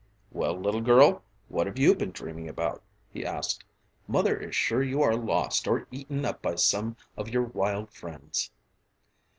"Well, little girl, what have you been dreaming about?" he asked. "Mother is sure you are lost or eaten up by some of your wild friends."